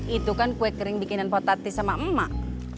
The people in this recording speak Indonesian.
itu kan kue kering bikinan fatatis sama emak